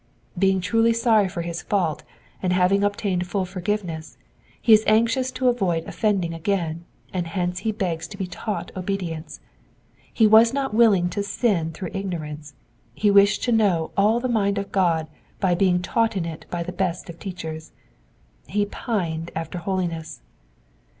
'*^ Being truly sorry for his fault, and having obtained full forgiveness, he is anxious to avoid offending again, and hence he begs to be taught obedience. He was not willing to sin through ignorance, he wished to know all the mind of God by being taught it by the best of teachers. He pined after holiness.